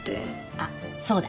あそうだ。